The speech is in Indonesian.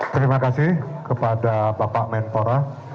terima kasih kepada bapak menpora